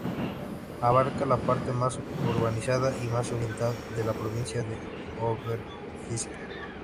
Abarca la parte más urbanizada y más oriental de la provincia de Overijssel.